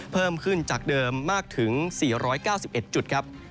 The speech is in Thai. เพิ่มขึ้นจากเดิมมากถึง๔๙๑จุดครับ